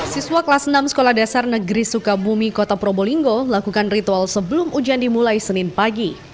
siswa kelas enam sekolah dasar negeri sukabumi kota probolinggo melakukan ritual sebelum ujian dimulai senin pagi